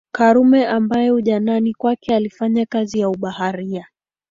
Karume ambaye ujanani kwake alifanya kazi ya ubaharia